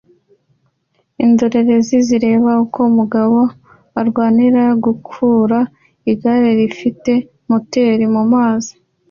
Indorerezi zireba uko umugabo arwanira gukura igare rifite moteri mu mazi